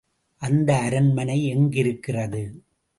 அந்த அரண்மனை எங்கிருக்கிறது?